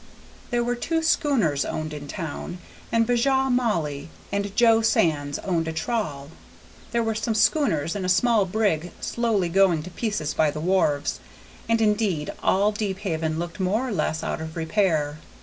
There were two schooners owned in town, and 'Bijah Mauley and Jo Sands owned a trawl. There were some schooners and a small brig slowly going to pieces by the wharves, and indeed all Deephaven looked more or less out of repair.